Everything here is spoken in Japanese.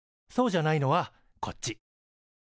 そうじゃないのはこっち。